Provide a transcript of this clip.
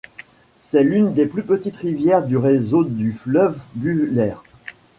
C’est l’une des plus petites rivières du réseau du fleuve Buller.